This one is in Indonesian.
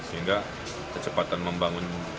sehingga kecepatan membangun